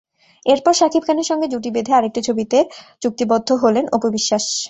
এরপর শাকিব খানের সঙ্গে জুটি বেঁধে আরেকটি ছবিতে চুক্তিবদ্ধ হলেন অপু বিশ্বাস।